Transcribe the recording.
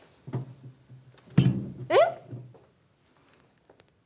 えっ？